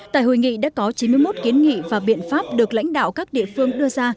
tại hội nghị đã có chín mươi một kiến nghị và biện pháp được lãnh đạo các địa phương đưa ra